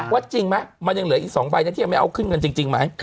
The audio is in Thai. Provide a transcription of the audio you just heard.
จริงไหมมันยังเหลืออีก๒ใบนะที่ยังไม่เอาขึ้นเงินจริงไหม